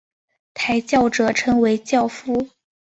抬轿者称为轿夫。